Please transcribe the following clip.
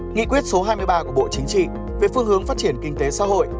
nghị quyết số hai mươi ba của bộ chính trị về phương hướng phát triển kinh tế xã hội